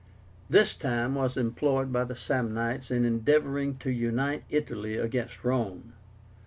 This time was employed by the Samnites in endeavoring to unite Italy against Rome.